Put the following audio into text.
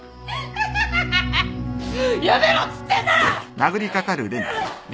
やめろっつってんだろ！